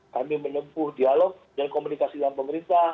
kami menempuh dialog dan komunikasi dengan pemerintah